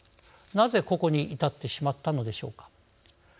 なぜ、ここに至ってしまったのでしょうか。